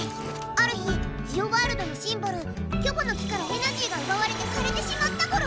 ある日ジオワールドのシンボルキョボの木からエナジーがうばわれてかれてしまったゴロ。